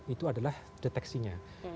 itu adalah deteksinya